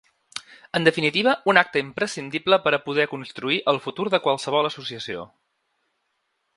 En definitiva, un acte imprescindible per a poder construir el futur de qualsevol associació.